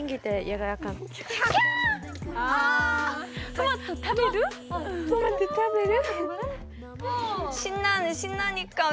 トマト食べる？